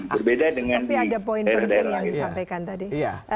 berbeda dengan di daerah daerah lain